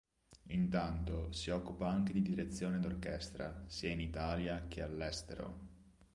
Intanto si occupa anche di direzione d'orchestra, sia in Italia che all'estero.